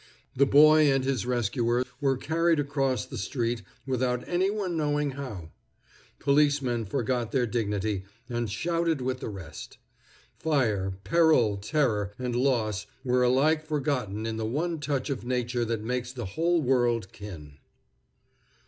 The boy and his rescuer were carried across the street without any one knowing how. Policemen forgot their dignity, and shouted with the rest. Fire, peril, terror, and loss were alike forgotten in the one touch of nature that makes the whole world kin.